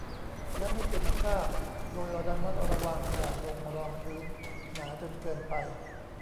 และไม่เป็นคราบ โดยระมัดระวังอย่าลงรองพื้นหนาจนเกินไป